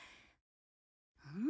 うん？